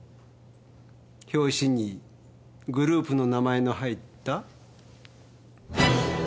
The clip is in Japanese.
表紙にグループの名前の入った？